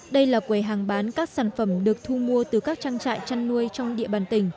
đây là quầy hàng bán các sản phẩm được thu mua từ các trang trại chăn nuôi trong địa bàn tỉnh